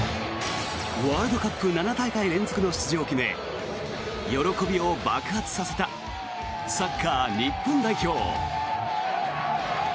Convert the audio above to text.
ワールドカップ７大会連続の出場を決め喜びを爆発させたサッカー日本代表。